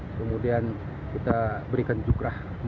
kemudian kita berikan cukrah melanggarannya